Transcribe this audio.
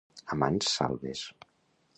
A mans salves.